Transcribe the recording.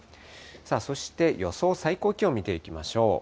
そして、予想最高気温見ていきましょう。